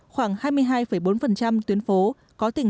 khoảng hai mươi hai bốn tuyến đường